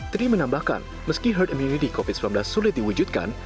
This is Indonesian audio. tri menambahkan meski herd immunity covid sembilan belas sulit diwujudkan